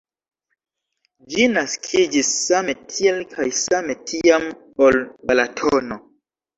Ĝi naskiĝis same tiel kaj same tiam, ol Balatono.